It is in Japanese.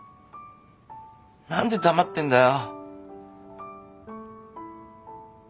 何で黙ってんだよ。